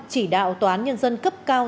chỉ đạo toán nhân dân cấp cao